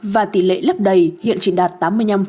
và tỷ lệ lấp đầy hiện chỉ đạt tám mươi năm